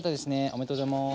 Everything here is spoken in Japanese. おめでとうございます。